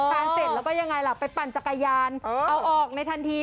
เสร็จแล้วก็ยังไงล่ะไปปั่นจักรยานเอาออกในทันที